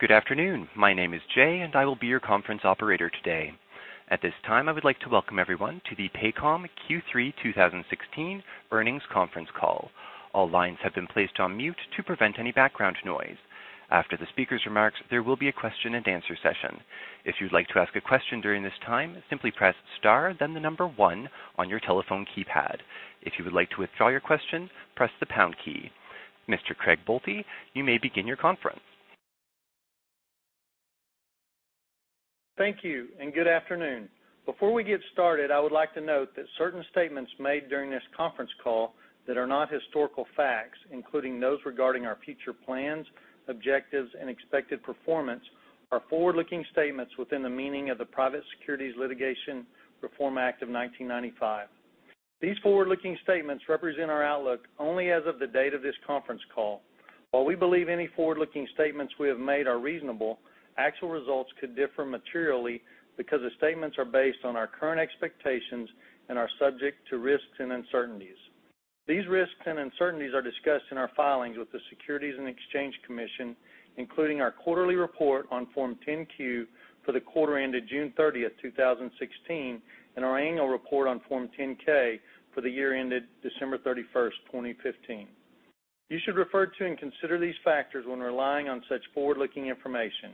Good afternoon. My name is Jay, and I will be your conference operator today. At this time, I would like to welcome everyone to the Paycom Q3 2016 Earnings Conference Call. All lines have been placed on mute to prevent any background noise. After the speaker's remarks, there will be a question and answer session. If you'd like to ask a question during this time, simply press star then the number one on your telephone keypad. If you would like to withdraw your question, press the pound key. Mr. Craig Boelte, you may begin your conference. Thank you. Good afternoon. Before we get started, I would like to note that certain statements made during this conference call that are not historical facts, including those regarding our future plans, objectives, and expected performance, are forward-looking statements within the meaning of the Private Securities Litigation Reform Act of 1995. These forward-looking statements represent our outlook only as of the date of this conference call. While we believe any forward-looking statements we have made are reasonable, actual results could differ materially because the statements are based on our current expectations and are subject to risks and uncertainties. These risks and uncertainties are discussed in our filings with the Securities and Exchange Commission, including our quarterly report on Form 10-Q for the quarter ended June 30th, 2016, and our annual report on Form 10-K for the year ended December 31st, 2015. You should refer to and consider these factors when relying on such forward-looking information.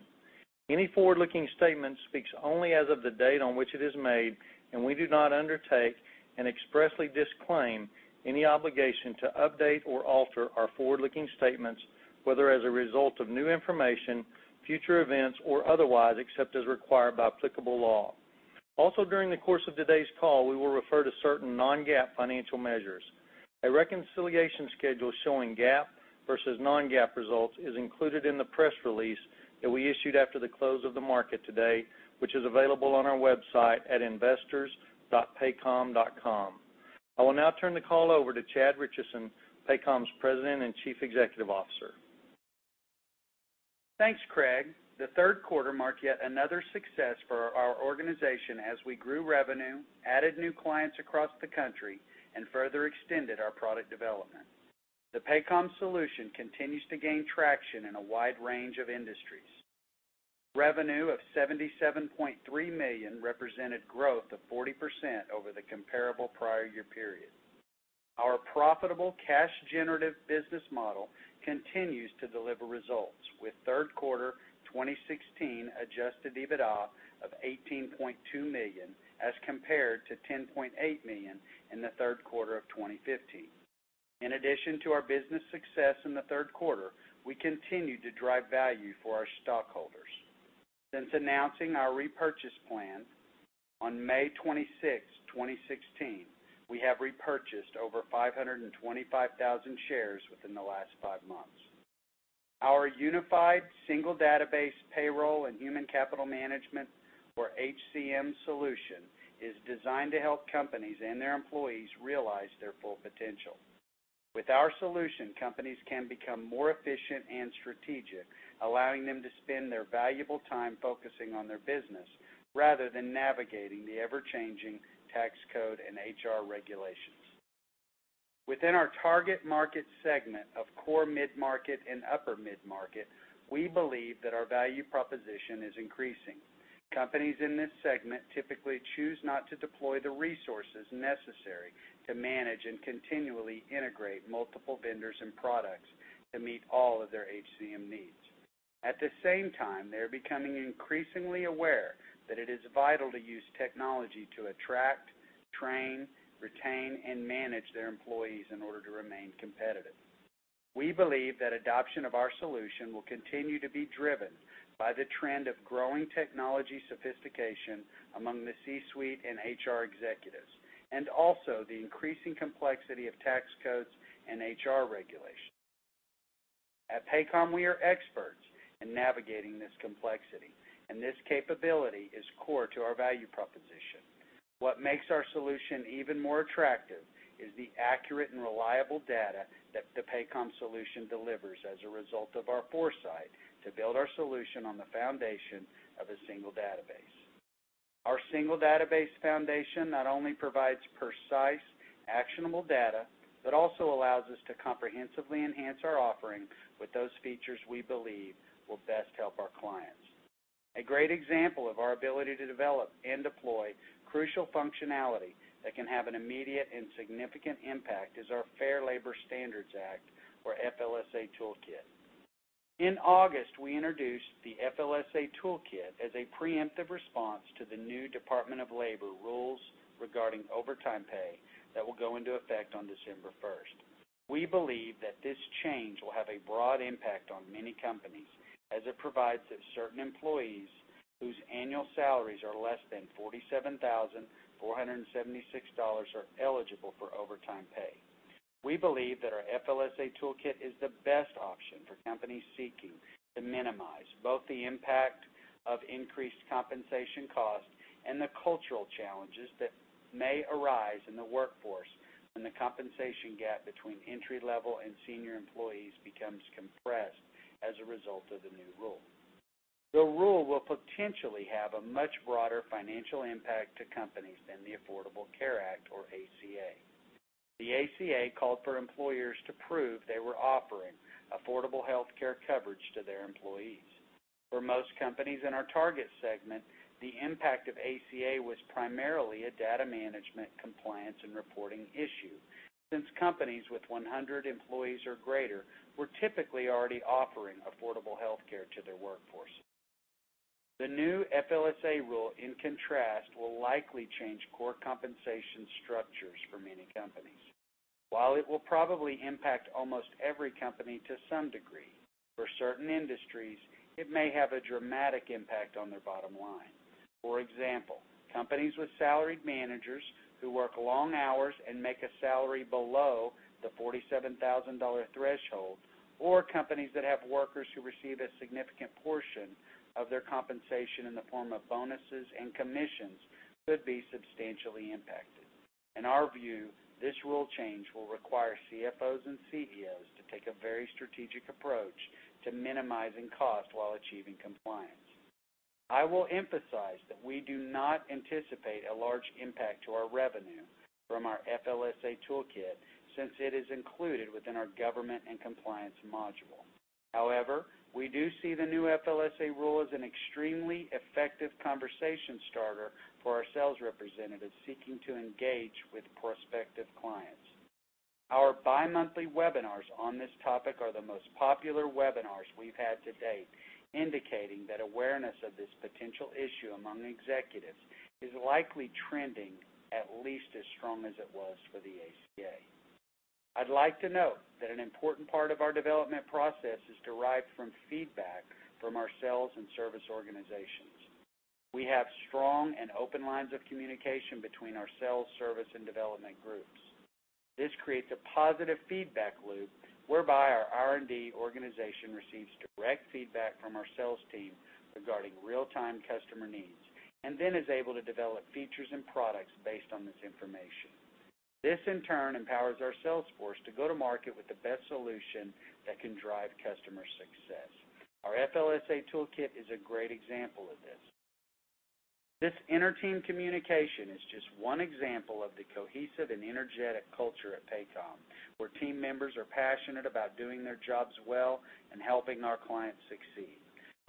Any forward-looking statement speaks only as of the date on which it is made. We do not undertake and expressly disclaim any obligation to update or alter our forward-looking statements, whether as a result of new information, future events, or otherwise, except as required by applicable law. Also, during the course of today's call, we will refer to certain non-GAAP financial measures. A reconciliation schedule showing GAAP versus non-GAAP results is included in the press release that we issued after the close of the market today, which is available on our website at investors.paycom.com. I will now turn the call over to Chad Richison, Paycom's President and Chief Executive Officer. Thanks, Craig. The third quarter marked yet another success for our organization as we grew revenue, added new clients across the country, and further extended our product development. The Paycom solution continues to gain traction in a wide range of industries. Revenue of $77.3 million represented growth of 40% over the comparable prior year period. Our profitable cash generative business model continues to deliver results with third quarter 2016 adjusted EBITDA of $18.2 million as compared to $10.8 million in the third quarter of 2015. In addition to our business success in the third quarter, we continue to drive value for our stockholders. Since announcing our repurchase plan on May 26th, 2016, we have repurchased over 525,000 shares within the last five months. Our unified single database payroll and human capital management or HCM solution is designed to help companies and their employees realize their full potential. With our solution, companies can become more efficient and strategic, allowing them to spend their valuable time focusing on their business rather than navigating the ever-changing tax code and HR regulations. Within our target market segment of core mid-market and upper mid-market, we believe that our value proposition is increasing. Companies in this segment typically choose not to deploy the resources necessary to manage and continually integrate multiple vendors and products to meet all of their HCM needs. At the same time, they're becoming increasingly aware that it is vital to use technology to attract, train, retain, and manage their employees in order to remain competitive. We believe that adoption of our solution will continue to be driven by the trend of growing technology sophistication among the C-suite and HR executives, and also the increasing complexity of tax codes and HR regulations. At Paycom, we are experts in navigating this complexity, and this capability is core to our value proposition. What makes our solution even more attractive is the accurate and reliable data that the Paycom solution delivers as a result of our foresight to build our solution on the foundation of a single database. Our single database foundation not only provides precise, actionable data, but also allows us to comprehensively enhance our offering with those features we believe will best help our clients. A great example of our ability to develop and deploy crucial functionality that can have an immediate and significant impact is our Fair Labor Standards Act, or FLSA toolkit. In August, we introduced the FLSA toolkit as a preemptive response to the new Department of Labor rules regarding overtime pay that will go into effect on December 1st. We believe that this change will have a broad impact on many companies as it provides that certain employees whose annual salaries are less than $47,476 are eligible for overtime pay. We believe that our FLSA toolkit is the best option for companies seeking to minimize both the impact of increased compensation costs and the cultural challenges that may arise in the workforce when the compensation gap between entry level and senior employees becomes compressed as a result of the new rule. The rule will potentially have a much broader financial impact to companies than the Affordable Care Act or ACA. The ACA called for employers to prove they were offering affordable healthcare coverage to their employees. For most companies in our target segment, the impact of ACA was primarily a data management compliance and reporting issue, since companies with 100 employees or greater were typically already offering affordable healthcare to their workforce. The new FLSA rule, in contrast, will likely change core compensation structures for many companies. While it will probably impact almost every company to some degree, for certain industries, it may have a dramatic impact on their bottom line. For example, companies with salaried managers who work long hours and make a salary below the $47,000 threshold, or companies that have workers who receive a significant portion of their compensation in the form of bonuses and commissions, could be substantially impacted. In our view, this rule change will require CFOs and CEOs to take a very strategic approach to minimizing cost while achieving compliance. I will emphasize that we do not anticipate a large impact to our revenue from our FLSA toolkit since it is included within our government and compliance module. We do see the new FLSA rule as an extremely effective conversation starter for our sales representatives seeking to engage with prospective clients. Our bimonthly webinars on this topic are the most popular webinars we've had to date, indicating that awareness of this potential issue among executives is likely trending at least as strong as it was for the ACA. I'd like to note that an important part of our development process is derived from feedback from our sales and service organizations. We have strong and open lines of communication between our sales, service, and development groups. This creates a positive feedback loop whereby our R&D organization receives direct feedback from our sales team regarding real-time customer needs, is able to develop features and products based on this information. This, in turn, empowers our sales force to go to market with the best solution that can drive customer success. Our FLSA toolkit is a great example of this. This inter-team communication is just one example of the cohesive and energetic culture at Paycom, where team members are passionate about doing their jobs well and helping our clients succeed.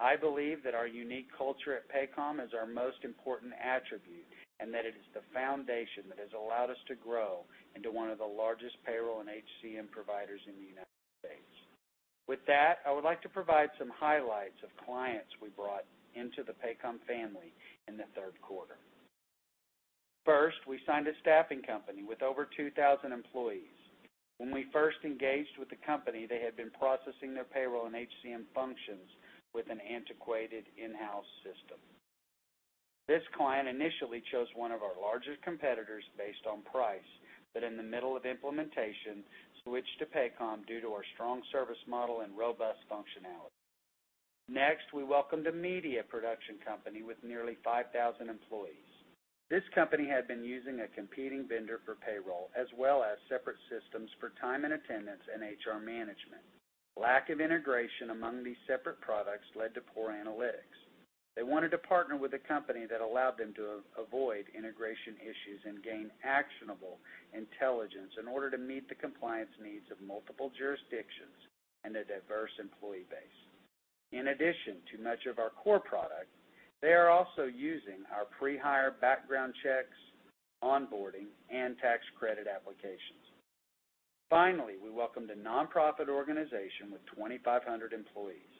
I believe that our unique culture at Paycom is our most important attribute, and that it is the foundation that has allowed us to grow into one of the largest payroll and HCM providers in the U.S. With that, I would like to provide some highlights of clients we brought into the Paycom family in the third quarter. We signed a staffing company with over 2,000 employees. When we first engaged with the company, they had been processing their payroll and HCM functions with an antiquated in-house system. This client initially chose one of our largest competitors based on price, in the middle of implementation, switched to Paycom due to our strong service model and robust functionality. We welcomed a media production company with nearly 5,000 employees. This company had been using a competing vendor for payroll, as well as separate systems for time and attendance and HR management. Lack of integration among these separate products led to poor analytics. They wanted to partner with a company that allowed them to avoid integration issues and gain actionable intelligence in order to meet the compliance needs of multiple jurisdictions and a diverse employee base. In addition to much of our core product, they are also using our pre-hire background checks, onboarding, and tax credit applications. We welcomed a nonprofit organization with 2,500 employees.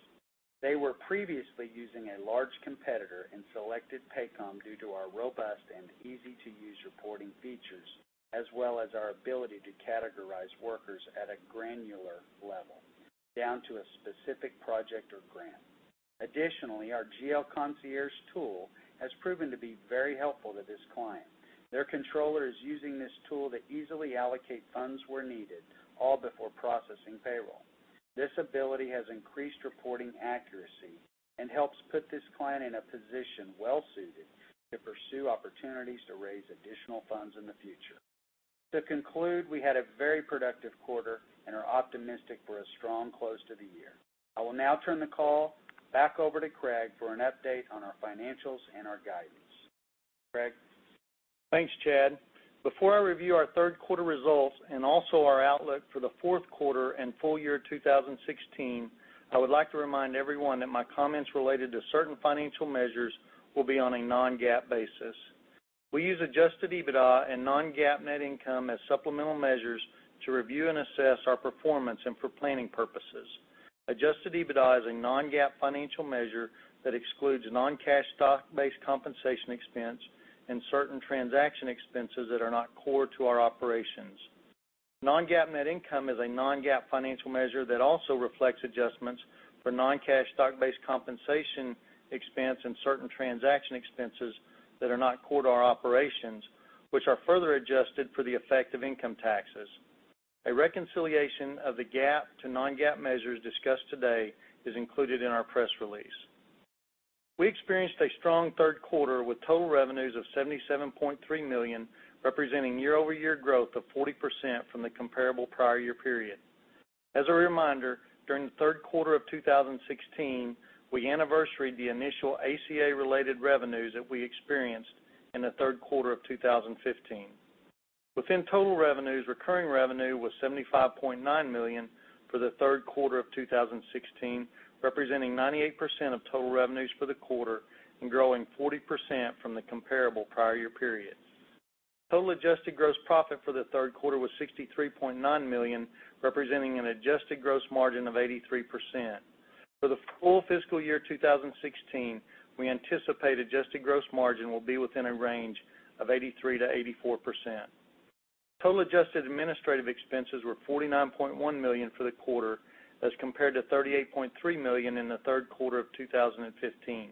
They were previously using a large competitor and selected Paycom due to our robust and easy-to-use reporting features, as well as our ability to categorize workers at a granular level, down to a specific project or grant. Additionally, our GL Concierge tool has proven to be very helpful to this client. Their controller is using this tool to easily allocate funds where needed, all before processing payroll. This ability has increased reporting accuracy and helps put this client in a position well-suited to pursue opportunities to raise additional funds in the future. To conclude, we had a very productive quarter and are optimistic for a strong close to the year. I will now turn the call back over to Craig for an update on our financials and our guidance. Craig? Thanks, Chad. Before I review our third quarter results and also our outlook for the fourth quarter and full year 2016, I would like to remind everyone that my comments related to certain financial measures will be on a non-GAAP basis. We use adjusted EBITDA and non-GAAP net income as supplemental measures to review and assess our performance and for planning purposes. Adjusted EBITDA is a non-GAAP financial measure that excludes non-cash stock-based compensation expense and certain transaction expenses that are not core to our operations. Non-GAAP net income is a non-GAAP financial measure that also reflects adjustments for non-cash stock-based compensation expense and certain transaction expenses that are not core to our operations, which are further adjusted for the effect of income taxes. A reconciliation of the GAAP to non-GAAP measures discussed today is included in our press release. We experienced a strong third quarter with total revenues of $77.3 million, representing year-over-year growth of 40% from the comparable prior year period. As a reminder, during the third quarter of 2016, we anniversaried the initial ACA-related revenues that we experienced in the third quarter of 2015. Within total revenues, recurring revenue was $75.9 million for the third quarter of 2016, representing 98% of total revenues for the quarter, growing 40% from the comparable prior year period. Total adjusted gross profit for the third quarter was $63.9 million, representing an adjusted gross margin of 83%. For the full fiscal year 2016, we anticipate adjusted gross margin will be within a range of 83%-84%. Total adjusted administrative expenses were $49.1 million for the quarter as compared to $38.3 million in the third quarter of 2015.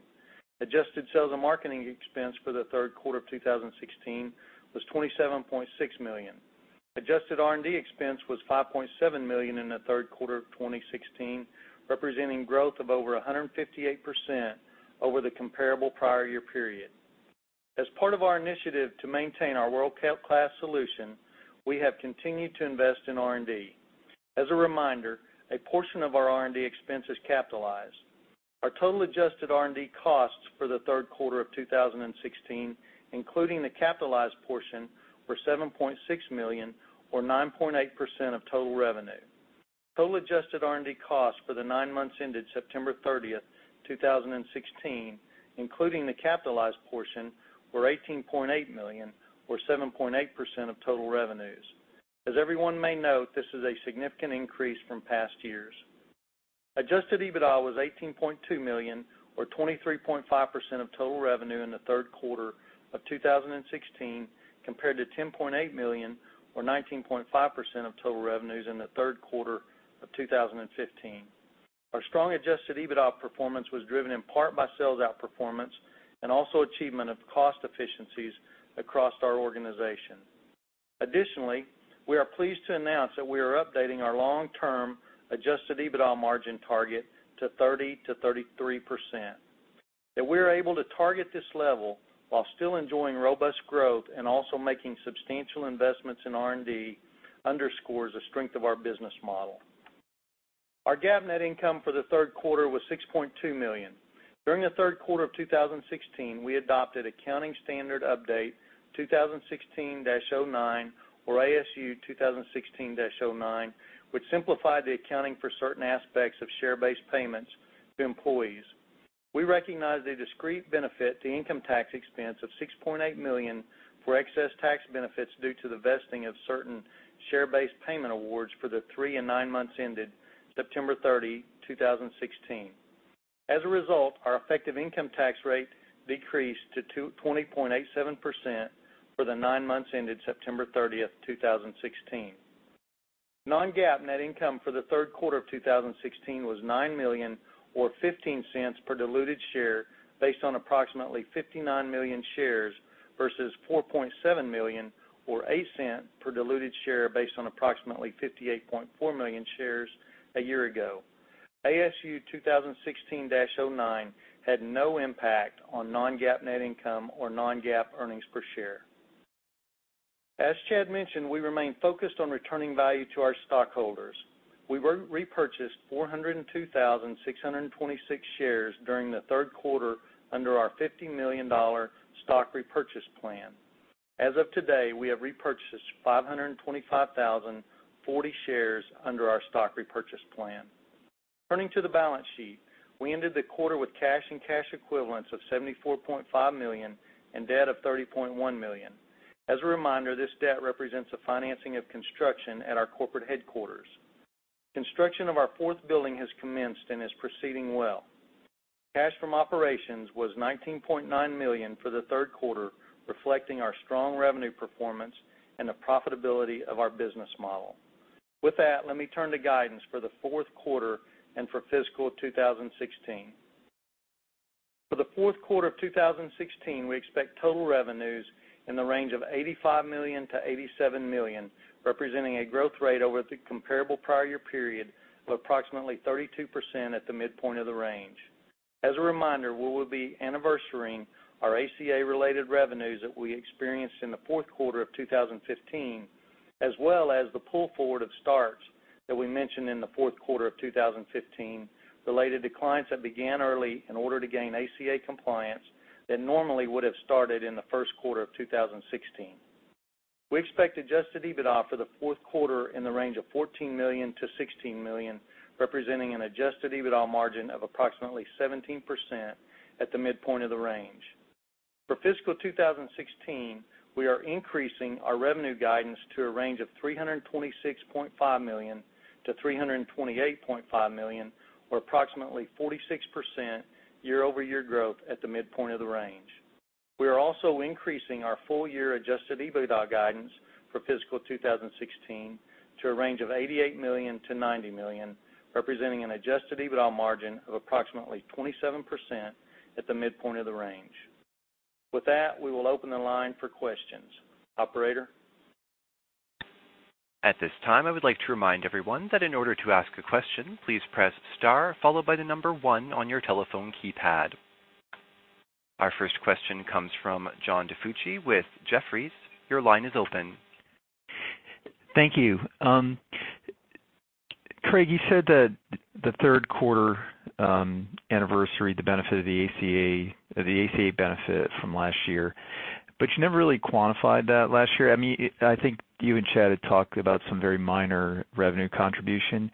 Adjusted sales and marketing expense for the third quarter of 2016 was $27.6 million. Adjusted R&D expense was $5.7 million in the third quarter of 2016, representing growth of over 158% over the comparable prior year period. As part of our initiative to maintain our world-class solution, we have continued to invest in R&D. As a reminder, a portion of our R&D expense is capitalized. Our total adjusted R&D costs for the third quarter of 2016, including the capitalized portion, were $7.6 million, or 9.8% of total revenue. Total adjusted R&D costs for the nine months ended September 30th, 2016, including the capitalized portion, were $18.8 million, or 7.8% of total revenues. As everyone may note, this is a significant increase from past years. Adjusted EBITDA was $18.2 million, or 23.5% of total revenue in the third quarter of 2016, compared to $10.8 million, or 19.5% of total revenues in the third quarter of 2015. Our strong adjusted EBITDA performance was driven in part by sales outperformance and also achievement of cost efficiencies across our organization. Additionally, we are pleased to announce that we are updating our long-term adjusted EBITDA margin target to 30%-33%. That we are able to target this level while still enjoying robust growth and also making substantial investments in R&D underscores the strength of our business model. Our GAAP net income for the third quarter was $6.2 million. During the third quarter of 2016, we adopted Accounting Standards Update 2016-09, or ASU 2016-09, which simplified the accounting for certain aspects of share-based payments to employees. We recognized a discrete benefit to income tax expense of $6.8 million for excess tax benefits due to the vesting of certain share-based payment awards for the three and nine months ended September 30, 2016. As a result, our effective income tax rate decreased to 20.87% for the nine months ended September 30th, 2016. Non-GAAP net income for the third quarter of 2016 was $9 million, or $0.15 per diluted share, based on approximately 59 million shares versus $4.7 million, or $0.08 per diluted share based on approximately 58.4 million shares a year ago. ASU 2016-09 had no impact on non-GAAP net income or non-GAAP earnings per share. As Chad mentioned, we remain focused on returning value to our stockholders. We repurchased 402,626 shares during the third quarter under our $50 million stock repurchase plan. As of today, we have repurchased 525,040 shares under our stock repurchase plan. Turning to the balance sheet, we ended the quarter with cash and cash equivalents of $74.5 million and debt of $30.1 million. As a reminder, this debt represents the financing of construction at our corporate headquarters. Construction of our fourth building has commenced and is proceeding well. Cash from operations was $19.9 million for the third quarter, reflecting our strong revenue performance and the profitability of our business model. With that, let me turn to guidance for the fourth quarter and for fiscal 2016. For the fourth quarter of 2016, we expect total revenues in the range of $85 million-$87 million, representing a growth rate over the comparable prior year period of approximately 32% at the midpoint of the range. As a reminder, we will be anniversarying our ACA-related revenues that we experienced in the fourth quarter of 2015, as well as the pull forward of starts that we mentioned in the fourth quarter of 2015 related to clients that began early in order to gain ACA compliance that normally would have started in the first quarter of 2016. We expect adjusted EBITDA for the fourth quarter in the range of $14 million-$16 million, representing an adjusted EBITDA margin of approximately 17% at the midpoint of the range. For fiscal 2016, we are increasing our revenue guidance to a range of $326.5 million-$328.5 million, or approximately 46% year-over-year growth at the midpoint of the range. We are also increasing our full year adjusted EBITDA guidance for fiscal 2016 to a range of $88 million to $90 million, representing an adjusted EBITDA margin of approximately 27% at the midpoint of the range. With that, we will open the line for questions. Operator? At this time, I would like to remind everyone that in order to ask a question, please press star followed by the number 1 on your telephone keypad. Our first question comes from John DiFucci with Jefferies. Your line is open. Thank you. Craig, you said that the third quarter anniversary, the ACA benefit from last year. You never really quantified that last year. I think you and Chad had talked about some very minor revenue contribution.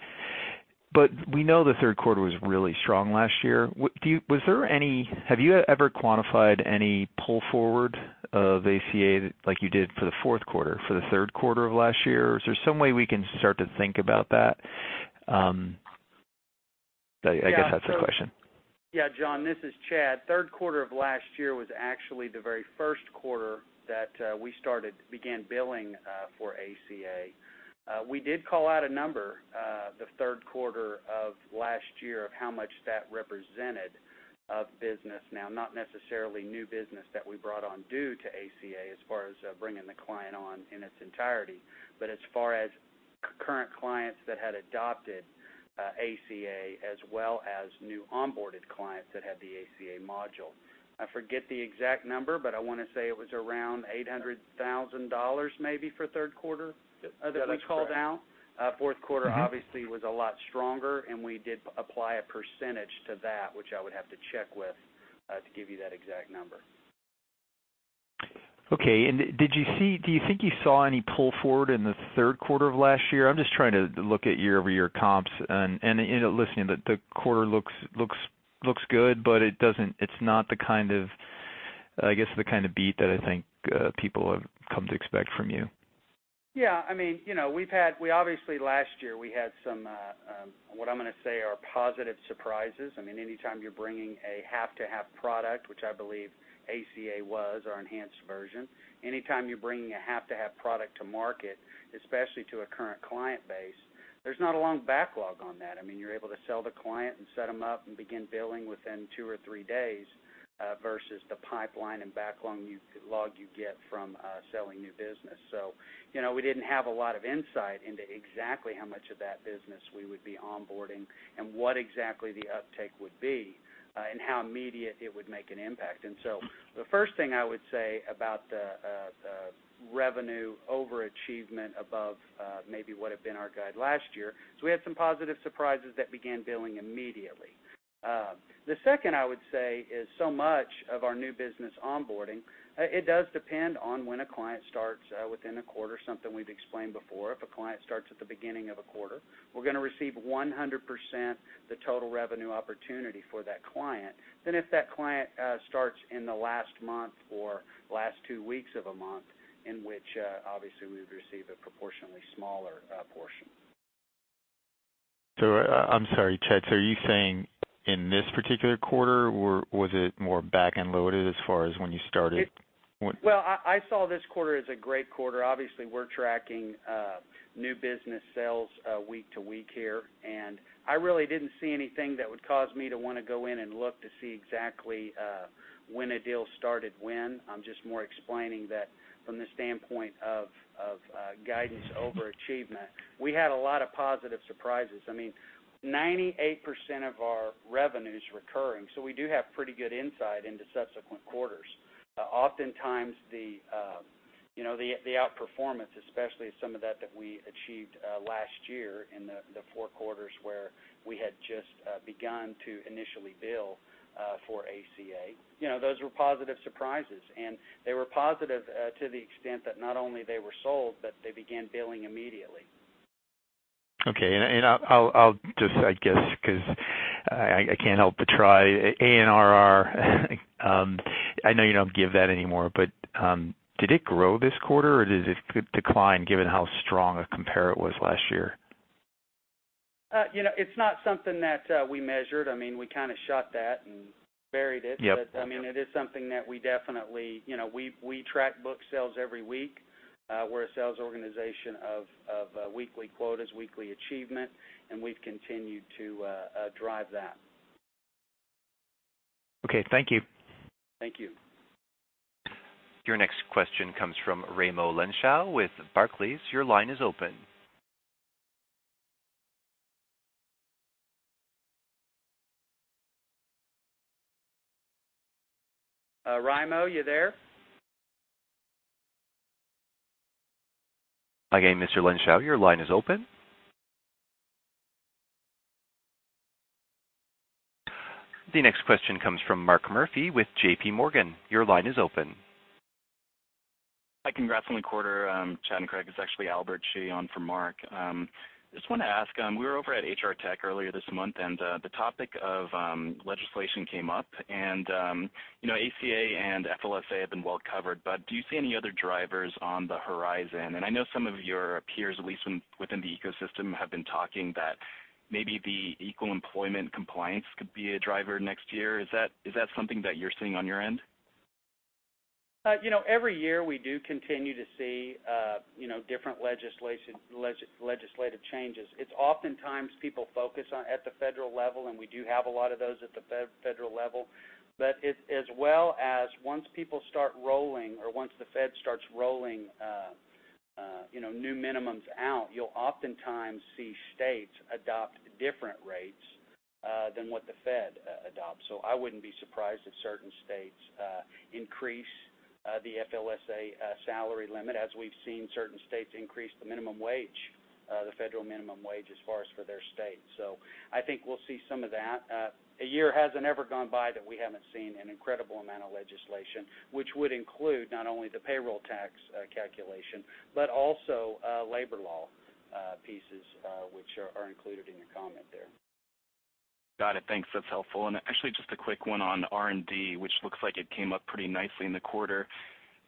We know the third quarter was really strong last year. Have you ever quantified any pull forward of ACA like you did for the fourth quarter, for the third quarter of last year? Is there some way we can start to think about that? I guess that's the question. Yeah, John, this is Chad. Third quarter of last year was actually the very first quarter that we began billing for ACA. We did call out a number, the third quarter of last year, of how much that represented of business. Not necessarily new business that we brought on due to ACA as far as bringing the client on in its entirety, as far as current clients that had adopted ACA, as well as new onboarded clients that had the ACA module. I forget the exact number, but I want to say it was around $800,000 maybe for third quarter that we called out. That's correct. Fourth quarter, obviously, was a lot stronger. We did apply a percentage to that, which I would have to check with to give you that exact number. Okay. Do you think you saw any pull forward in the third quarter of last year? I'm just trying to look at year-over-year comps. Listening, the quarter looks good, but it's not, I guess, the kind of beat that I think people have come to expect from you. Yeah. Obviously last year we had some, what I'm going to say are positive surprises. Anytime you're bringing a have-to-have product, which I believe ACA was, our enhanced version, anytime you're bringing a have-to-have product to market, especially to a current client base, there's not a long backlog on that. You're able to sell the client and set them up and begin billing within two or three days, versus the pipeline and backlog you get from selling new business. We didn't have a lot of insight into exactly how much of that business we would be onboarding and what exactly the uptake would be and how immediate it would make an impact. The first thing I would say about the revenue overachievement above maybe what had been our guide last year, is we had some positive surprises that began billing immediately. The second I would say is so much of our new business onboarding, it does depend on when a client starts within a quarter, something we've explained before. If a client starts at the beginning of a quarter, we're going to receive 100% the total revenue opportunity for that client, than if that client starts in the last month or last two weeks of a month, in which obviously we've received a proportionately smaller portion. I'm sorry, Chad, are you saying in this particular quarter, or was it more back-end loaded as far as when you started? Well, I saw this quarter as a great quarter. Obviously, we're tracking new business sales week-to-week here, I really didn't see anything that would cause me to want to go in and look to see exactly when a deal started when. I'm just more explaining that from the standpoint of guidance overachievement. We had a lot of positive surprises. 98% of our revenue's recurring, we do have pretty good insight into subsequent quarters. Oftentimes the outperformance, especially some of that we achieved last year in the four quarters where we had just begun to initially bill for ACA, those were positive surprises, they were positive to the extent that not only they were sold, but they began billing immediately. Okay. I'll just, I guess, because I can't help but try, ANRR, I know you don't give that anymore, did it grow this quarter, or did it decline given how strong a compare it was last year? It's not something that we measured. We shot that and buried it. Yep. It is something that we definitely track book sales every week. We're a sales organization of weekly quotas, weekly achievement, and we've continued to drive that. Okay. Thank you. Thank you. Your next question comes from Raimo Lenschow with Barclays. Your line is open. Raimo, you there? Again, Mr. Lenschow, your line is open. The next question comes from Mark Murphy with JP Morgan. Your line is open. Hi, congrats on the quarter, Chad and Craig. It's actually Albert Shi on for Mark. Just wanted to ask, we were over at HR Tech earlier this month, and the topic of legislation came up and ACA and FLSA have been well covered, but do you see any other drivers on the horizon? I know some of your peers, at least within the ecosystem, have been talking that maybe the equal employment compliance could be a driver next year. Is that something that you're seeing on your end? Every year, we do continue to see different legislative changes. It's oftentimes people focus at the federal level, and we do have a lot of those at the federal level. As well as once people start rolling or once the Fed starts rolling new minimums out, you'll oftentimes see states adopt different rates than what the Fed adopts. I wouldn't be surprised if certain states increase the FLSA salary limit, as we've seen certain states increase the federal minimum wage as far as for their state. I think we'll see some of that. A year hasn't ever gone by that we haven't seen an incredible amount of legislation, which would include not only the payroll tax calculation, but also labor law pieces, which are included in your comment there. Got it. Thanks. That's helpful. Actually, just a quick one on R&D, which looks like it came up pretty nicely in the quarter.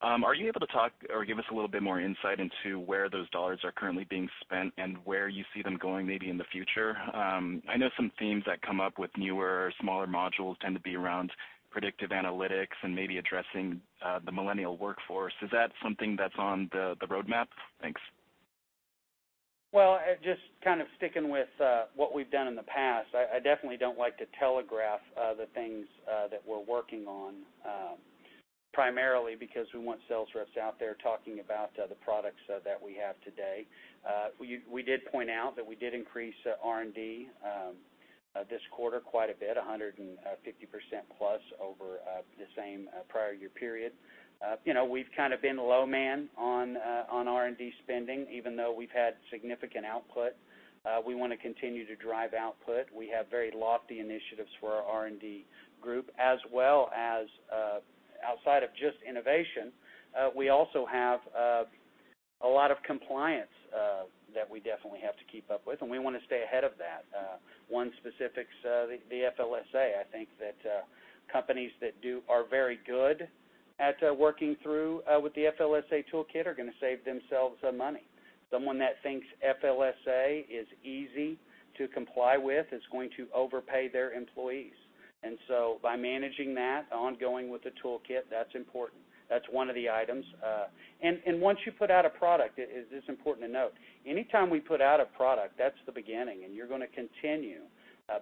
Are you able to talk or give us a little bit more insight into where those dollars are currently being spent and where you see them going, maybe in the future? I know some themes that come up with newer, smaller modules tend to be around predictive analytics and maybe addressing the millennial workforce. Is that something that's on the roadmap? Thanks. Well, just kind of sticking with what we've done in the past, I definitely don't like to telegraph the things that we're working on. Primarily because we want sales reps out there talking about the products that we have today. We did point out that we did increase R&D this quarter quite a bit, 150% plus over the same prior year period. We've kind of been low man on R&D spending, even though we've had significant output. We want to continue to drive output. We have very lofty initiatives for our R&D group as well as outside of just innovation, we also have a lot of compliance that we definitely have to keep up with, and we want to stay ahead of that. One specific's the FLSA. I think that companies that are very good at working through with the FLSA toolkit are going to save themselves some money. Someone that thinks FLSA is easy to comply with is going to overpay their employees. By managing that ongoing with the toolkit, that's important. That's one of the items. Once you put out a product, it's important to note, anytime we put out a product, that's the beginning, and you're going to continue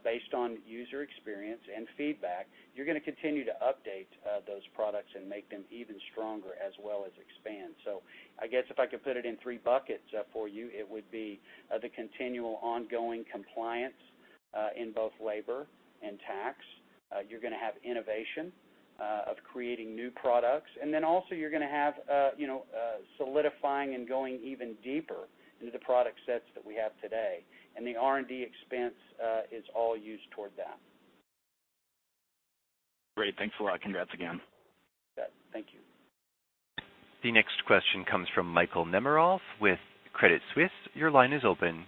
based on user experience and feedback. You're going to continue to update those products and make them even stronger as well as expand. I guess if I could put it in three buckets for you, it would be the continual ongoing compliance in both labor and tax. You're going to have innovation of creating new products. Also you're going to have solidifying and going even deeper into the product sets that we have today. The R&D expense is all used toward that. Great. Thanks a lot. Congrats again. You bet. Thank you. The next question comes from Michael Nemeroff with Credit Suisse. Your line is open.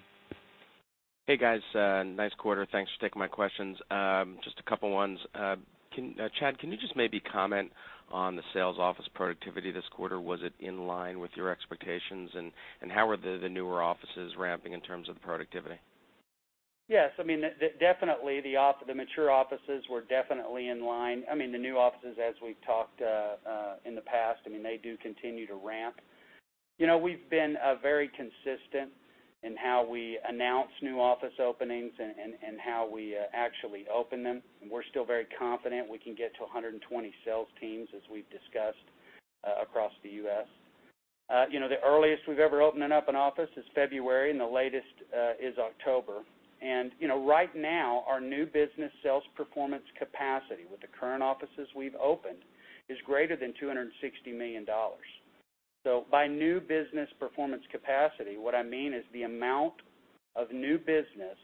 Hey, guys. Nice quarter. Thanks for taking my questions. Just a couple ones. Chad, can you just maybe comment on the sales office productivity this quarter? Was it in line with your expectations, and how are the newer offices ramping in terms of the productivity? Yes. The mature offices were definitely in line. The new offices, as we've talked in the past, they do continue to ramp. We've been very consistent in how we announce new office openings and how we actually open them, and we're still very confident we can get to 120 sales teams, as we've discussed, across the U.S. The earliest we've ever opened up an office is February, and the latest is October. Right now, our new business sales performance capacity with the current offices we've opened is greater than $260 million. By new business performance capacity, what I mean is the amount of new business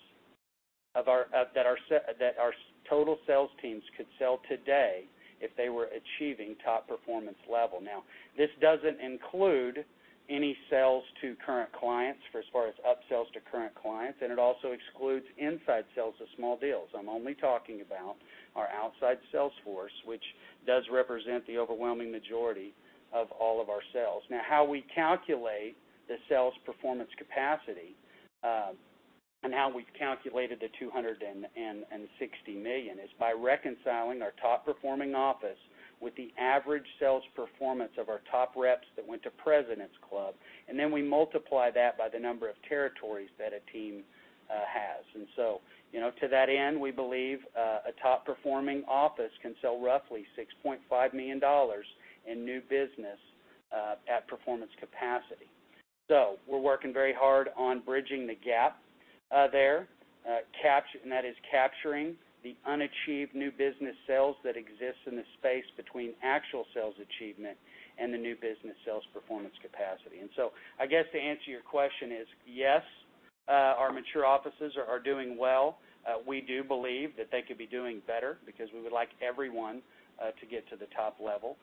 that our total sales teams could sell today if they were achieving top performance level. This doesn't include any sales to current clients for as far as upsells to current clients, and it also excludes inside sales of small deals. I'm only talking about our outside sales force, which does represent the overwhelming majority of all of our sales. How we calculate the sales performance capacity, and how we've calculated the $260 million is by reconciling our top-performing office with the average sales performance of our top reps that went to President's Club, and then we multiply that by the number of territories that a team has. To that end, we believe a top-performing office can sell roughly $6.5 million in new business at performance capacity. We're working very hard on bridging the gap there, and that is capturing the unachieved new business sales that exist in the space between actual sales achievement and the new business sales performance capacity. I guess to answer your question is, yes, our mature offices are doing well. We do believe that they could be doing better because we would like everyone to get to the top level.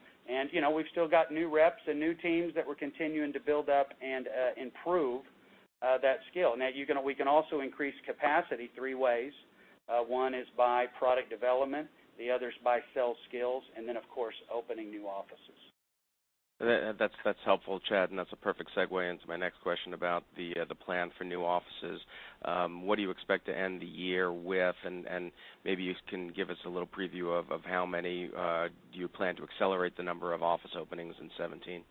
We've still got new reps and new teams that we're continuing to build up and improve that skill. We can also increase capacity three ways. One is by product development, the other is by sales skills, then, of course, opening new offices. That's helpful, Chad, that's a perfect segue into my next question about the plan for new offices. What do you expect to end the year with? Maybe you can give us a little preview of how many do you plan to accelerate the number of office openings in 2017?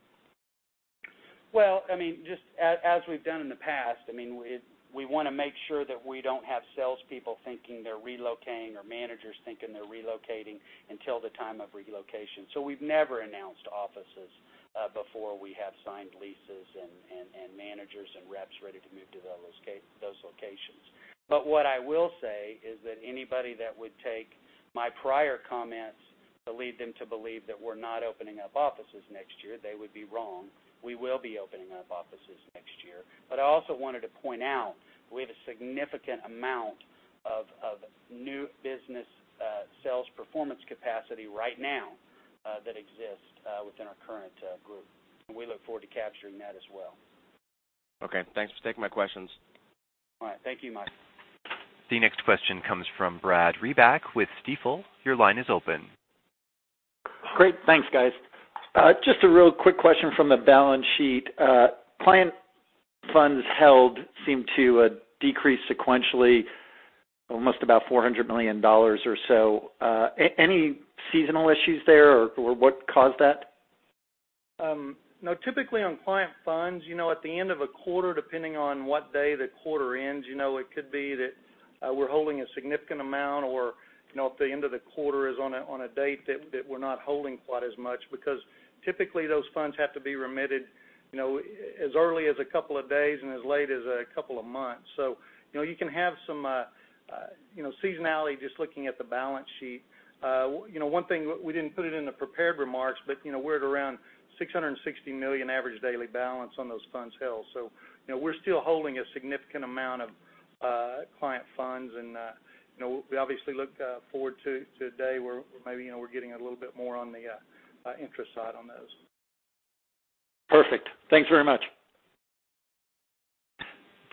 Just as we've done in the past, we want to make sure that we don't have salespeople thinking they're relocating or managers thinking they're relocating until the time of relocation. We've never announced offices before we have signed leases and managers and reps ready to move to those locations. What I will say is that anybody that would take my prior comments to lead them to believe that we're not opening up offices next year, they would be wrong. We will be opening up offices next year. I also wanted to point out we have a significant amount of new business sales performance capacity right now that exists within our current group. We look forward to capturing that as well. Okay. Thanks for taking my questions. All right. Thank you, Mike. The next question comes from Brad Reback with Stifel. Your line is open. Great. Thanks, guys. Just a real quick question from the balance sheet. Client funds held seem to decrease sequentially, almost about $400 million or so. Any seasonal issues there or what caused that? No, typically on client funds, at the end of a quarter, depending on what day the quarter ends, it could be that we're holding a significant amount, or if the end of the quarter is on a date that we're not holding quite as much. Typically those funds have to be remitted as early as a couple of days and as late as a couple of months. You can have some seasonality just looking at the balance sheet. One thing, we didn't put it in the prepared remarks, we're at around $660 million average daily balance on those funds held. We're still holding a significant amount of client funds, and we obviously look forward to the day where maybe we're getting a little bit more on the interest side on those. Perfect. Thanks very much.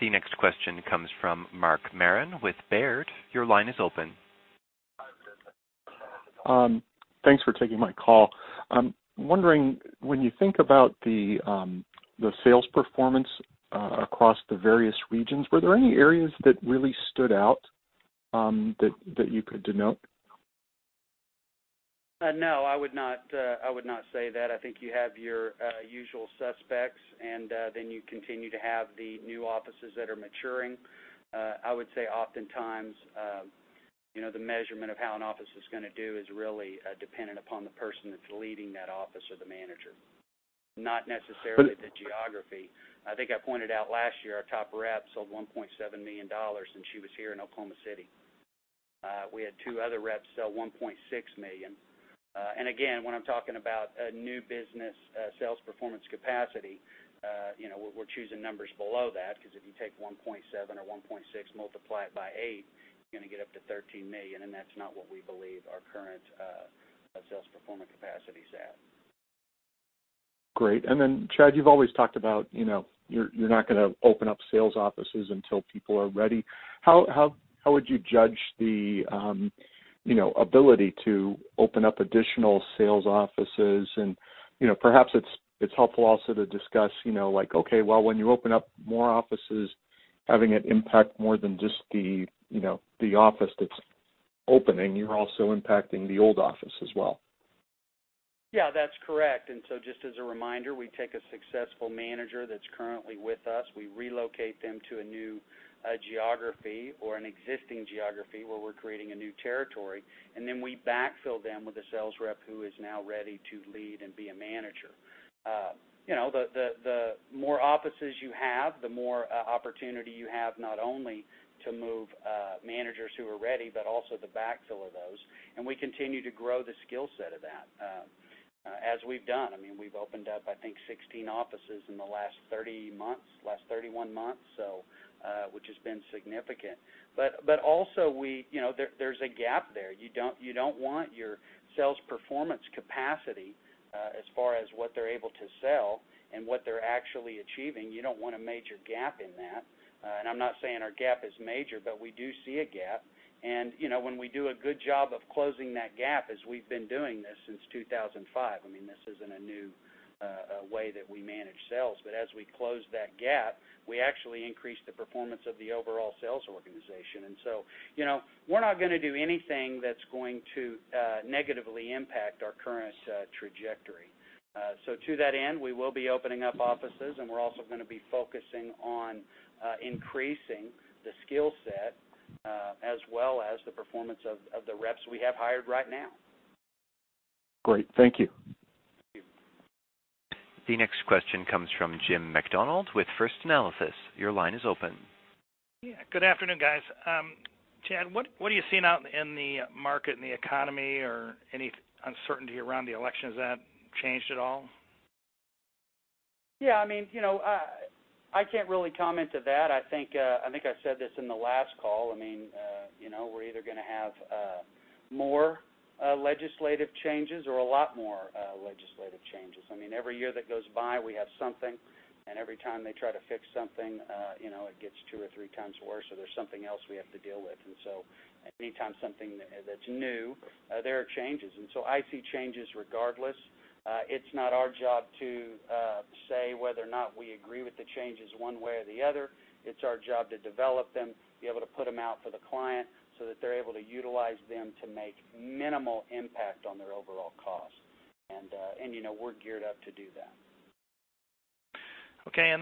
The next question comes from Mark Marcon with Baird. Your line is open. Thanks for taking my call. I'm wondering, when you think about the sales performance across the various regions, were there any areas that really stood out that you could denote? No, I would not say that. Then you continue to have the new offices that are maturing. I would say oftentimes, the measurement of how an office is going to do is really dependent upon the person that's leading that office or the manager, not necessarily the geography. I think I pointed out last year, our top rep sold $1.7 million, and she was here in Oklahoma City. We had two other reps sell $1.6 million. Again, when I'm talking about a new business sales performance capacity, we're choosing numbers below that because if you take 1.7 or 1.6, multiply it by eight, you're going to get up to $13 million, and that's not what we believe our current sales performance capacity is at. Great. Then Chad, you've always talked about you're not going to open up sales offices until people are ready. How would you judge the ability to open up additional sales offices and perhaps it's helpful also to discuss like, okay, well, when you open up more offices, having it impact more than just the office that's opening, you're also impacting the old office as well. Yeah, that's correct. Just as a reminder, we take a successful manager that's currently with us, we relocate them to a new geography or an existing geography where we're creating a new territory, and then we backfill them with a sales rep who is now ready to lead and be a manager. The more offices you have, the more opportunity you have not only to move managers who are ready, but also to backfill those. We continue to grow the skill set of that as we've done. We've opened up, I think, 16 offices in the last 30 months, last 31 months, which has been significant. Also there's a gap there. You don't want your sales performance capacity as far as what they're able to sell and what they're actually achieving. You don't want a major gap in that. I'm not saying our gap is major, but we do see a gap. When we do a good job of closing that gap as we've been doing this since 2005, this isn't a new way that we manage sales. As we close that gap, we actually increase the performance of the overall sales organization. We're not going to do anything that's going to negatively impact our current trajectory. To that end, we will be opening up offices, and we're also going to be focusing on increasing the skill set as well as the performance of the reps we have hired right now. Great. Thank you. Thank you. The next question comes from Jim Macdonald with First Analysis. Your line is open. Yeah. Good afternoon, guys. Chad, what are you seeing out in the market, in the economy, or any uncertainty around the election? Has that changed at all? Yeah. I can't really comment to that. I think I said this in the last call. We're either going to have more legislative changes or a lot more legislative changes. Every year that goes by, we have something, and every time they try to fix something, it gets two or three times worse, so there's something else we have to deal with. Anytime something that's new, there are changes. I see changes regardless. It's not our job to say whether or not we agree with the changes one way or the other. It's our job to develop them, be able to put them out for the client so that they're able to utilize them to make minimal impact on their overall cost. We're geared up to do that. Okay.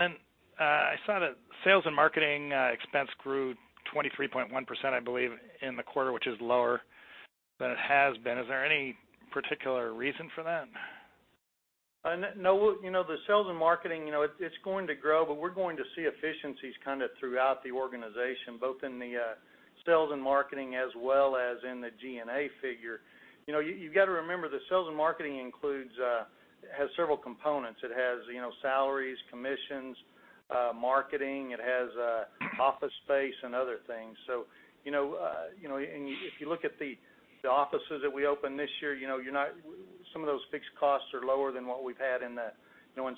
I saw that sales and marketing expense grew 23.1%, I believe, in the quarter, which is lower than it has been. Is there any particular reason for that? No, the sales and marketing, it's going to grow, but we're going to see efficiencies kind of throughout the organization, both in the sales and marketing as well as in the G&A figure. You've got to remember that sales and marketing has several components. It has salaries, commissions, marketing. It has office space and other things. If you look at the offices that we opened this year, some of those fixed costs are lower than what we've had in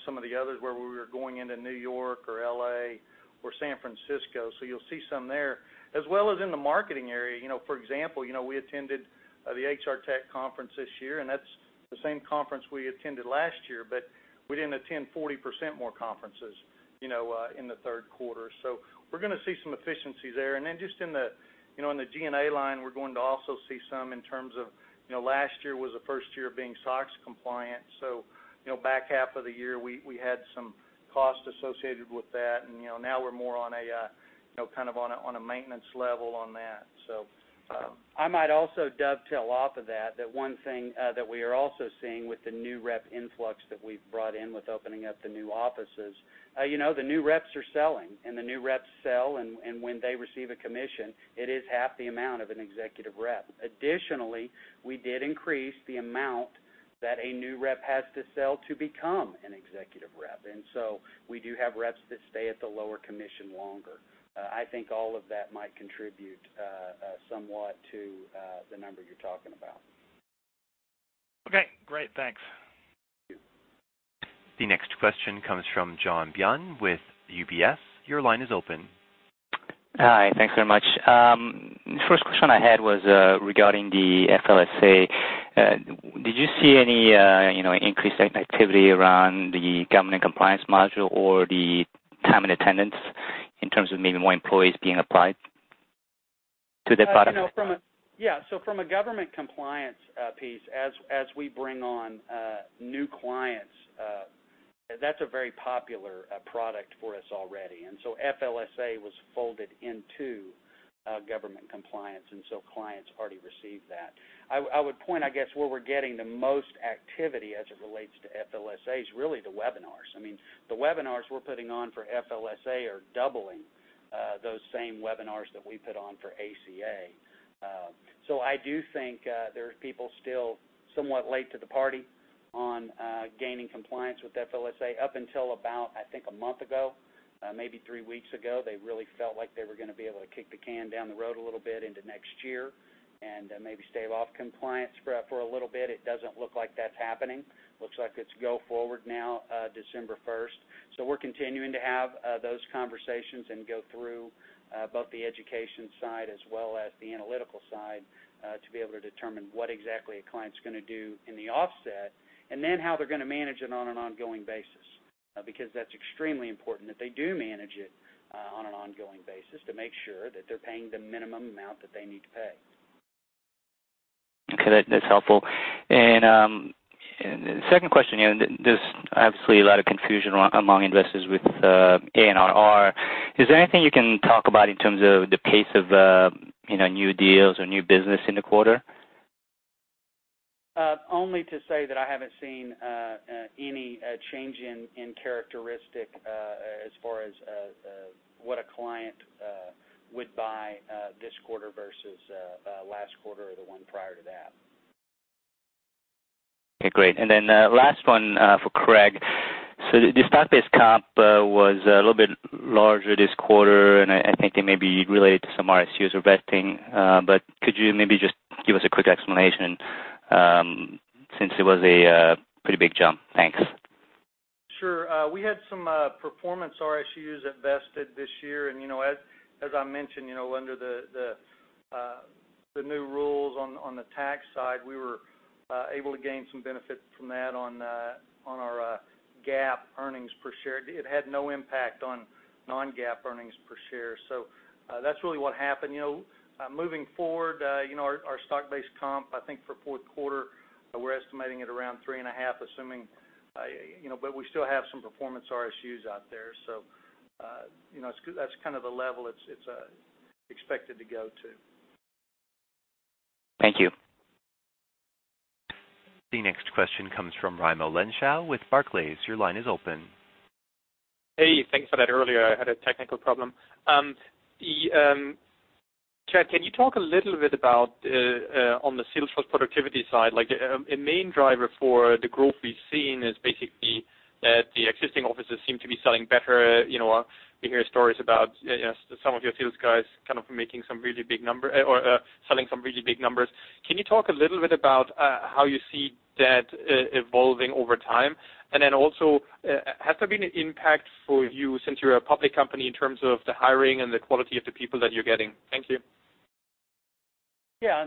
some of the others where we were going into New York or L.A. or San Francisco. You'll see some there, as well as in the marketing area. For example, we attended the HR Tech conference this year, and that's the same conference we attended last year, but we didn't attend 40% more conferences in the third quarter. We're going to see some efficiencies there. Just in the G&A line, we're going to also see some in terms of, last year was the first year of being SOX compliant. Back half of the year, we had some cost associated with that, and now we're more on a maintenance level on that. I might also dovetail off of that one thing that we are also seeing with the new rep influx that we've brought in with opening up the new offices. The new reps are selling, and the new reps sell, and when they receive a commission, it is half the amount of an executive rep. Additionally, we did increase the amount that a new rep has to sell to become an executive rep, we do have reps that stay at the lower commission longer. I think all of that might contribute somewhat to the number you're talking about. Okay, great. Thanks. The next question comes from John Byeon with UBS. Your line is open. Hi. Thanks very much. First question I had was regarding the FLSA. Did you see any increased activity around the government compliance module or the time and attendance in terms of maybe more employees being applied to the product? Yeah. From a government compliance piece, as we bring on new clients, that's a very popular product for us already. FLSA was folded into government compliance, clients already received that. I would point, I guess, where we're getting the most activity as it relates to FLSA is really the webinars. The webinars we're putting on for FLSA are doubling those same webinars that we put on for ACA. I do think there are people still somewhat late to the party on gaining compliance with FLSA. Up until about, I think, a month ago, maybe three weeks ago, they really felt like they were going to be able to kick the can down the road a little bit into next year and maybe stave off compliance for a little bit. It doesn't look like that's happening. Looks like it's go forward now, December 1st. We're continuing to have those conversations and go through both the education side as well as the analytical side to be able to determine what exactly a client's going to do in the offset and then how they're going to manage it on an ongoing basis, because that's extremely important that they do manage it on an ongoing basis to make sure that they're paying the minimum amount that they need to pay. Okay, that's helpful. The second question, there's absolutely a lot of confusion among investors with ANRR. Is there anything you can talk about in terms of the pace of new deals or new business in the quarter? Only to say that I haven't seen any change in characteristic as far as what a client would buy this quarter versus last quarter or the one prior to that. Okay, great. Last one for Craig. The stock-based comp was a little bit larger this quarter, and I think it may be related to some RSUs vesting, but could you maybe just give us a quick explanation since it was a pretty big jump? Thanks. Sure. We had some performance RSUs that vested this year, and as I mentioned, under the new rules on the tax side, we were able to gain some benefit from that on our GAAP earnings per share. It had no impact on non-GAAP earnings per share. That's really what happened. Moving forward, our stock-based comp, I think for fourth quarter, we're estimating at around three and a half, but we still have some performance RSUs out there. That's kind of the level it's expected to go to. Thank you. The next question comes from Raimo Lenschow with Barclays. Your line is open. Hey, thanks for that. Earlier I had a technical problem. Chad, can you talk a little bit about on the sales force productivity side, like a main driver for the growth we've seen is basically that the existing offices seem to be selling better. We hear stories about some of your sales guys kind of making some really big number or selling some really big numbers. Can you talk a little bit about how you see that evolving over time? Has there been an impact for you since you're a public company in terms of the hiring and the quality of the people that you're getting? Thank you. Yeah.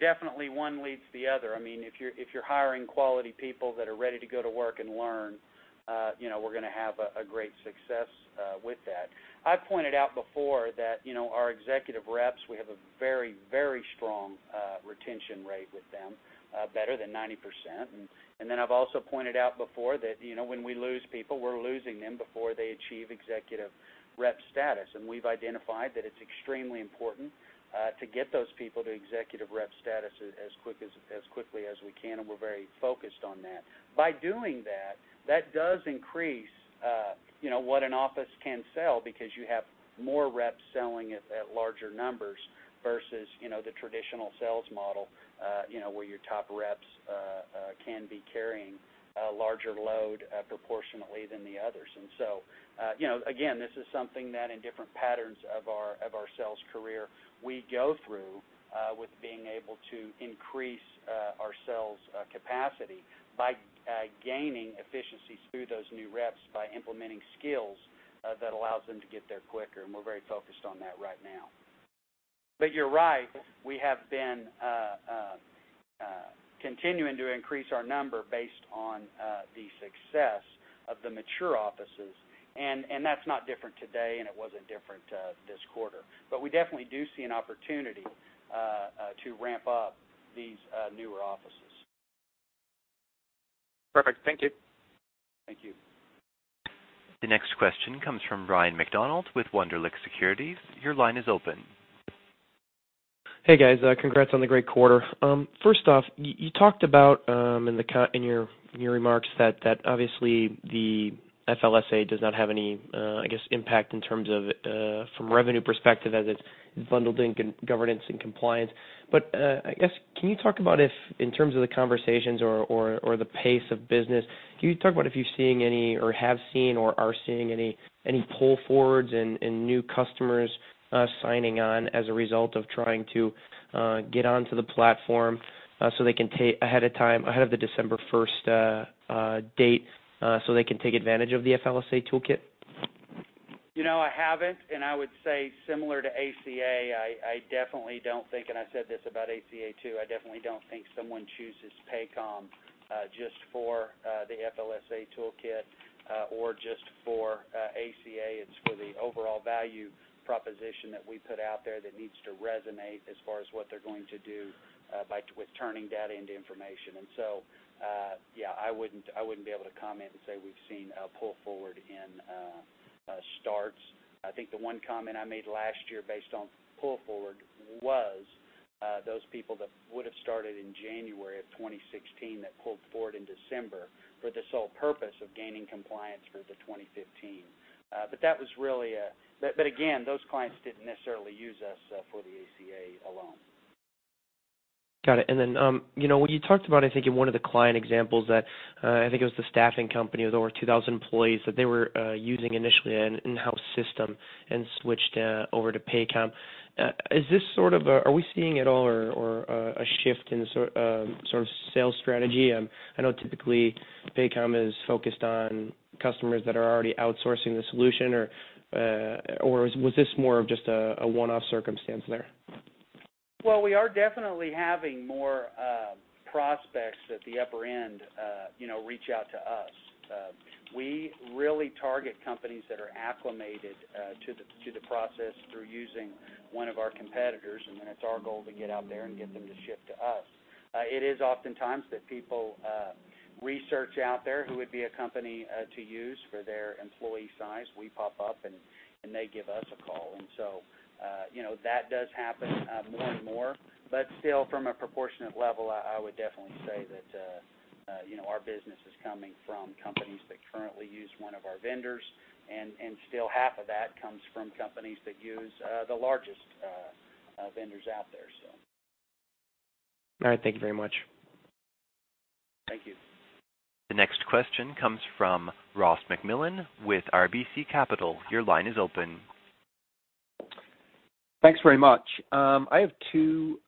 Definitely one leads to the other. If you're hiring quality people that are ready to go to work and learn, we're going to have a great success with that. I pointed out before that our executive reps, we have a very strong retention rate with them, better than 90%. I've also pointed out before that when we lose people, we're losing them before they achieve executive rep status. We've identified that it's extremely important to get those people to executive rep status as quickly as we can, and we're very focused on that. By doing that does increase what an office can sell because you have more reps selling it at larger numbers versus the traditional sales model, where your top reps can be carrying a larger load proportionately than the others. Again, this is something that in different patterns of our sales career, we go through with being able to increase our sales capacity by gaining efficiencies through those new reps by implementing skills that allows them to get there quicker. We're very focused on that right now. You're right, we have been continuing to increase our number based on the success of the mature offices, and that's not different today, and it wasn't different this quarter. We definitely do see an opportunity to ramp up these newer offices. Perfect. Thank you. Thank you. The next question comes from Brian McDonald with Wunderlich Securities. Your line is open. Hey, guys. Congrats on the great quarter. First off, you talked about in your remarks that obviously the FLSA does not have any, I guess, impact in terms of from revenue perspective as it's bundled in governance and compliance. I guess, can you talk about if, in terms of the conversations or the pace of business, can you talk about if you're seeing any or have seen or are seeing any pull forwards and new customers signing on as a result of trying to get onto the platform so they can take ahead of time, ahead of the December 1st date, so they can take advantage of the FLSA toolkit? I haven't, I would say similar to ACA, I definitely don't think, and I said this about ACA, too, I definitely don't think someone chooses Paycom just for the FLSA toolkit or just for ACA. It's for the overall value proposition that we put out there that needs to resonate as far as what they're going to do with turning data into information. Yeah, I wouldn't be able to comment and say we've seen a pull forward in starts. I think the one comment I made last year based on pull forward was, those people that would've started in January of 2016 that pulled forward in December for the sole purpose of gaining compliance for the 2015. Again, those clients didn't necessarily use us for the ACA alone. Got it. When you talked about, I think, in one of the client examples that, I think it was the staffing company with over 2,000 employees, that they were using initially an in-house system and switched over to Paycom. Are we seeing at all or a shift in the sort of sales strategy? I know typically Paycom is focused on customers that are already outsourcing the solution, or was this more of just a one-off circumstance there? Well, we are definitely having more prospects at the upper end reach out to us. We really target companies that are acclimated to the process through using one of our competitors, it's our goal to get out there and get them to shift to us. It is oftentimes that people research out there who would be a company to use for their employee size. We pop up and they give us a call. That does happen more and more. Still, from a proportionate level, I would definitely say that our business is coming from companies that currently use one of our vendors, still half of that comes from companies that use the largest vendors out there, so All right. Thank you very much. Thank you. The next question comes from Ross MacMillan with RBC Capital. Your line is open. Thanks very much. I have two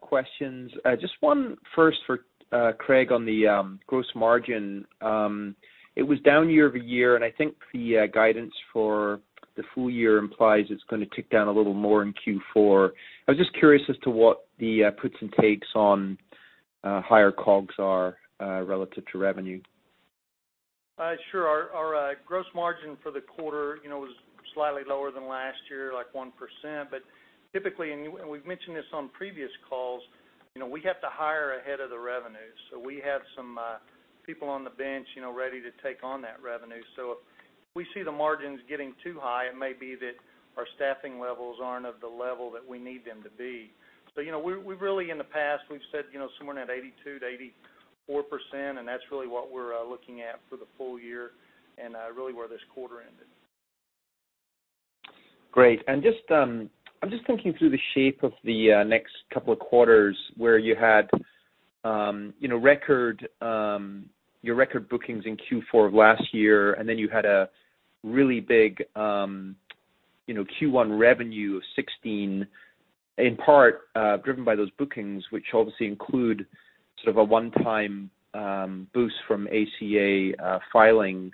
questions. Just one first for Craig on the gross margin. It was down year-over-year, and I think the guidance for the full year implies it's going to tick down a little more in Q4. I was just curious as to what the puts and takes on higher COGS are relative to revenue. Sure. Our gross margin for the quarter was slightly lower than last year, like 1%. Typically, and we've mentioned this on previous calls, we have to hire ahead of the revenue. We have some people on the bench ready to take on that revenue. If we see the margins getting too high, it may be that our staffing levels aren't of the level that we need them to be. We really, in the past, we've said somewhere in that 82%-84%, and that's really what we're looking at for the full year and really where this quarter ended. I'm just thinking through the shape of the next couple of quarters where you had your record bookings in Q4 of last year, then you had a really big Q1 revenue of 2016, in part, driven by those bookings, which obviously include sort of a one-time boost from ACA filings.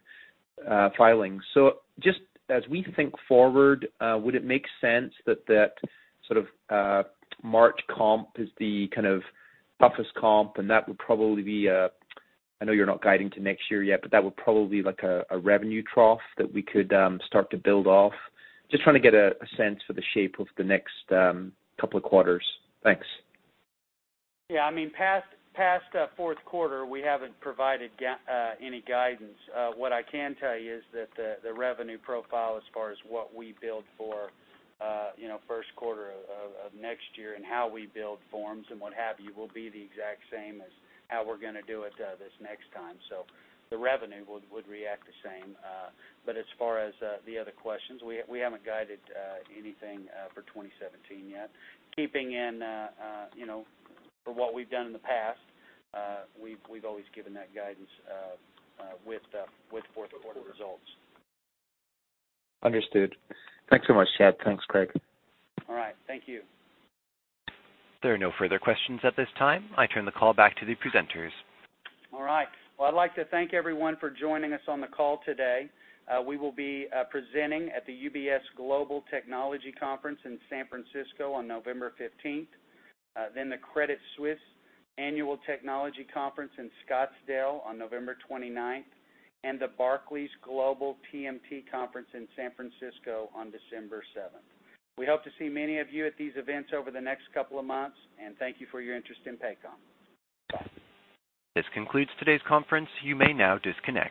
Just as we think forward, would it make sense that that sort of March comp is the kind of toughest comp and that would probably be I know you're not guiding to next year yet, but that would probably be like a revenue trough that we could start to build off? Just trying to get a sense for the shape of the next couple of quarters. Thanks. Yeah. Past fourth quarter, we haven't provided any guidance. What I can tell you is that the revenue profile as far as what we build for first quarter of next year and how we build forms and what have you, will be the exact same as how we're going to do it this next time. The revenue would react the same. As far as the other questions, we haven't guided anything for 2017 yet. Keeping in, for what we've done in the past, we've always given that guidance with fourth quarter results. Understood. Thanks so much, Chad. Thanks, Craig. All right. Thank you. There are no further questions at this time. I turn the call back to the presenters. All right. Well, I'd like to thank everyone for joining us on the call today. We will be presenting at the UBS Global Technology Conference in San Francisco on November 15th, then the Credit Suisse Annual Technology Conference in Scottsdale on November 29th, and the Barclays Global TMT Conference in San Francisco on December 7th. We hope to see many of you at these events over the next couple of months, and thank you for your interest in Paycom. This concludes today's conference. You may now disconnect.